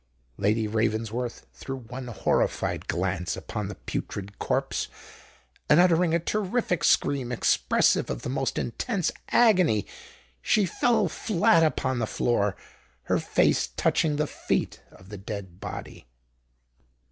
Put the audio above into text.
Lady Ravensworth threw one horrified glance upon the putrid corpse; and uttering a terrific scream expressive of the most intense agony, she fell flat upon the floor—her face touching the feet of the dead body.